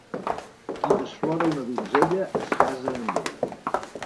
Qui desflora una donzella es casa amb ella.